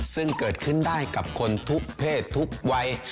ซึ่งเกิดขึ้นได้กับคนทุกเพศทุกวัย